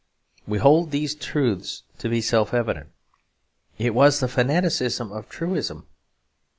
"We hold these truths to be self evident": it was the fanaticism of truism.